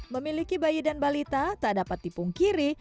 memiliki bayi dan balita tak dapat tipung kiri